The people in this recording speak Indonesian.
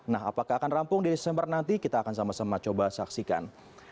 nah apakah akan rampung di desember nanti kita akan sama sama coba saksikan